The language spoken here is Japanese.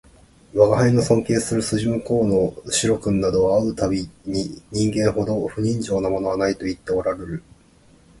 吾輩の尊敬する筋向こうの白君などは会う度毎に人間ほど不人情なものはないと言っておらるる